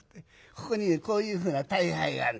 ここにねこういうふうな大杯があるんだ。